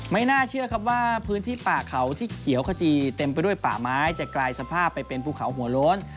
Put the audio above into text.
ไม่น่าเชื่อครับว่าพื้นที่ป่าเขาที่เขียวขจีเต็มไปด้วยป่าไม้จะกลายสภาพไปเป็นภูเขาหัวโล้น